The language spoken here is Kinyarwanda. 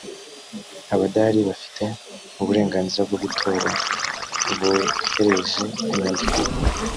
abadahari bafite uburenganzira bwo gutora bohereje inyandiko